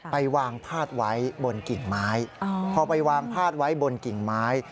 ไปวางพาดไว้บนกิ่งไม้พอไปวางพาดไว้บนกิ่งไม้